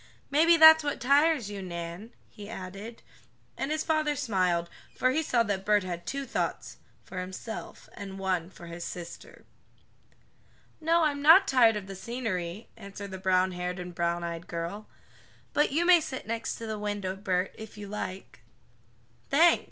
Maybe that's what tires you, Nan," he added, and his father smiled, for he saw that Bert had two thoughts for himself, and one for his sister. "No, I'm not tired of the scenery," answered the brownhaired and browneyed girl, "but you may sit next the window, Bert, if you like." "Thanks!"